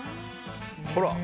ほら！